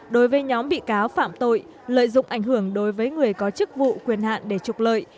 đối với nhóm bị cáo phạm tội lợi dụng ảnh hưởng đối với người có chức vụ quyền hạn để trục lợi